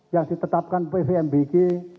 yang ditetapkan pvmbk